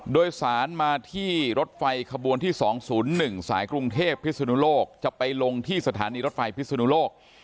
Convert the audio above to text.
โดยสารมาที่รถไฟขบวนที่๒๐๑สายกรุงเทพพิศนุโลกจะไปลงที่สถานีรถไฟพิศนุโลก